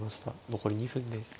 残り２分です。